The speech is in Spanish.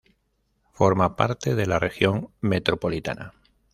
Forma parte de la Región Metropolitana.